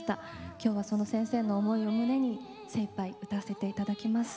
今日はその先生の思いを胸に精いっぱい歌わせて頂きます。